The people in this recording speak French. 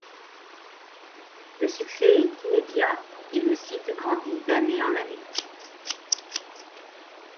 Le succès est immédiat et le site grandit d’année en année.